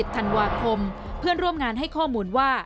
ธันวาคมเพื่อนร่วมงานให้ข้อมูลว่า